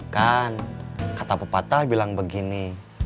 kan kata pepatah bilang begini